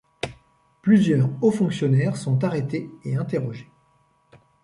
Plusieurs hauts-fonctionnaires sont arrêtés et interrogés.